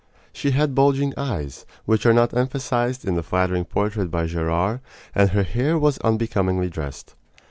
She had bulging eyes which are not emphasized in the flattering portrait by Gerard and her hair was unbecomingly dressed.